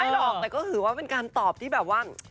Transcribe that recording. หรอกแต่ก็ถือว่าเป็นการตอบที่แบบว่า